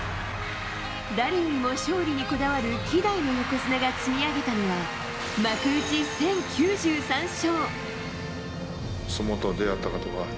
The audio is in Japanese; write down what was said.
誰よりも勝利にこだわる稀代の横綱が積み上げたのは幕内１０９３勝。